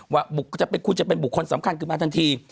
ว่าคุณจะเป็นบุคคลสำคัญขึ้นมาทันที